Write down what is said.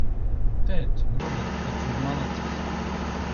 Tēt, Roberts taču ir malacis?